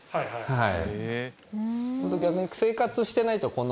はい。